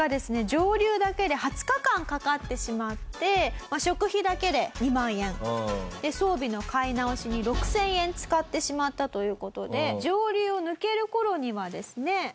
上流だけで２０日間かかってしまって食費だけで２万円装備の買い直しに６０００円使ってしまったという事で上流を抜ける頃にはですね